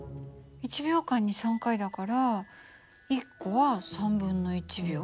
１秒間に３回だから１個は秒？